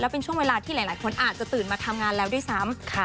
เป็นช่วงเวลาที่หลายคนอาจจะตื่นมาทำงานแล้วด้วยซ้ำ